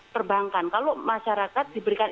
perbankan kalau masyarakat diberikan